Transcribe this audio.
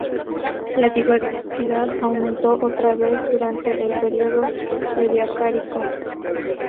La diversidad aumentó otra vez durante el Período Ediacárico.